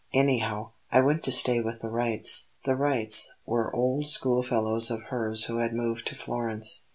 Anyhow, I went to stay with the Wrights." (The Wrights were old schoolfellows of hers who had moved to Florence.)